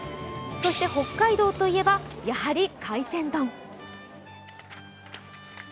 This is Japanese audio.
そして、北海道といえばやはり海鮮丼。